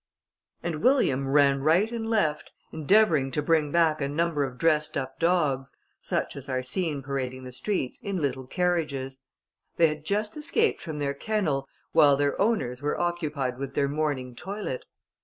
And William ran right and left, endeavouring to bring back a number of dressed up dogs, such as are seen parading the streets, in little carriages. They had just escaped from their kennel, while their owners were occupied with their morning toilet.